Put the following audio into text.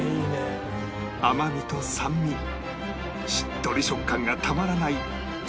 甘みと酸味しっとり食感がたまらない